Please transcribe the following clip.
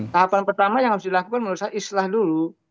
tahapan pertama yang harus dilakukan menurut saya islah dulu